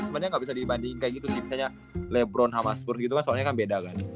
sebenernya gabisa dibandingin kayak gitu sih misalnya lebron sama spurs gitu kan soalnya kan beda kan